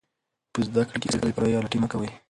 په زده کړه کې هېڅکله بې پروایي او لټي مه کوئ.